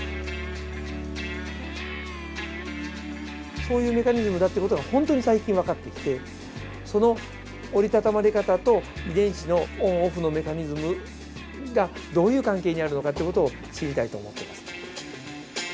そういうメカニズムだって事がほんとに最近分かってきてその折りたたまれ方と遺伝子のオン・オフのメカニズムがどういう関係にあるのかっていう事を知りたいと思ってます。